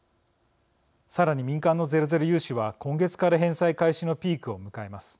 さらに民間のゼロゼロ融資は今月から返済開始のピークを迎えます。